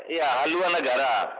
iya haluan negara